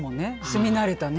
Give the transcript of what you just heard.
住み慣れたね。